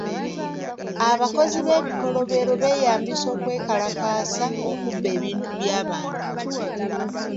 Abakozi b'ebikolobero beyambisa okwekalakaasa okubba ebintu by'abantu.